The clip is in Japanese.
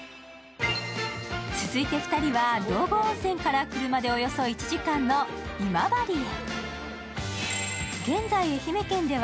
続いて２人は道後温泉から車でおよそ１時間の今治へ。